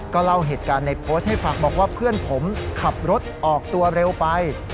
เล่าเหตุการณ์ในโพสต์ให้ฟังบอกว่าเพื่อนผมขับรถออกตัวเร็วไป